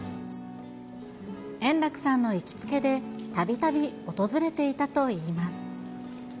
円楽さんの行きつけで、たびたび訪れていたといいます。